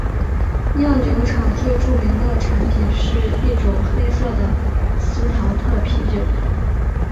酿酒厂最著名的产品是一种黑色的司陶特啤酒。